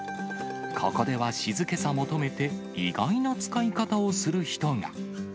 ここでは静けさを求めて意外な使い方をする人が。